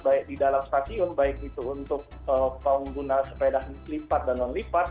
baik di dalam stasiun baik itu untuk pengguna sepeda lipat dan non lipat